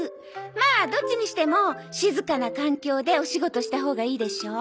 まあどっちにしても静かな環境でお仕事したほうがいいでしょう？